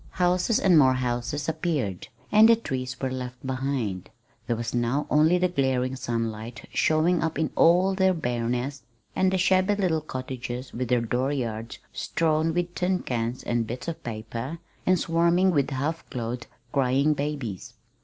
Houses and more houses appeared, and the trees were left behind. There was now only the glaring sunlight showing up in all their barrenness the shabby little cottages with their dooryards strewn with tin cans and bits of paper, and swarming with half clothed, crying babies.